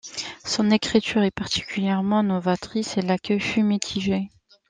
Son écriture est particulièrement novatrice et l'accueil fut mitigé.